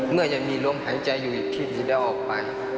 เมื่อจะมีรวมหายใจอยู่อีกทีจะได้ออกไป